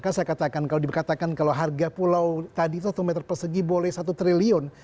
saya katakan kalau dikatakan kalau harga pulau tadi satu meter persegi boleh satu triliun